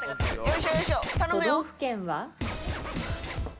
都道府県は？